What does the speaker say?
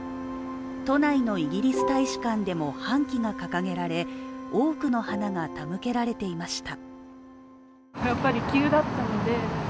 都内のイギリス大使館でも半旗が掲げられ、多くの花が手向けられていました。